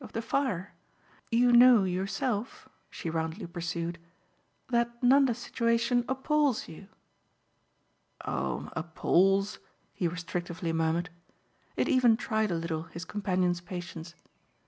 of the fire. You know, yourself," she roundly pursued, "that Nanda's situation appals you." "Oh 'appals'!" he restrictively murmured. It even tried a little his companion's patience.